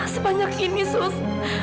sebanyak ini sus